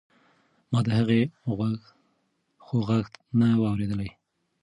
ما د هغې خوږ غږ نه و اورېدلی.